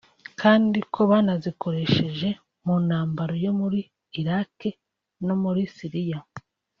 kandi ko banazikoresheje mu ntambara yo muri Iraq no muri Syria